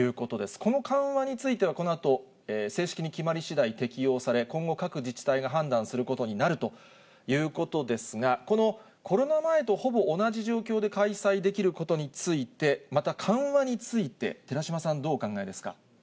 この緩和については、このあと、正式に決まりしだい、適用され、今後、各自治体が判断することになるということですが、このコロナ前とほぼ同じ状況で開催できることについて、また緩和について、寺嶋さん、どうお考えですか。